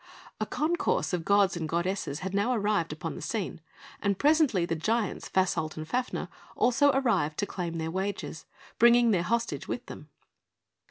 A concourse of gods and goddesses had now arrived upon the scene; and presently the giants, Fasolt and Fafner, also arrived to claim their wages, bringing their hostage with them.